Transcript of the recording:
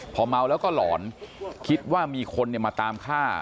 พอเมาแล้วก็หลอนคิดว่ามีคนมาตามฆ่า